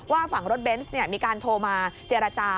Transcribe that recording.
ฝั่งรถเบนส์มีการโทรมาเจรจา